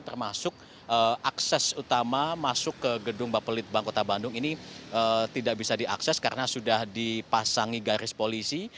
termasuk akses utama masuk ke gedung bapelitbang kota bandung ini tidak bisa diakses karena sudah dipasangi garis polisi